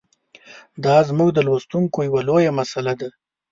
دا زموږ د لوستونکو یوه لویه مساله ده.